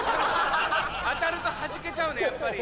当たるとはじけちゃうねやっぱり。